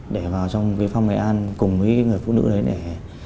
để vào trong quế phong nghệ an cùng với người phụ nữ đấy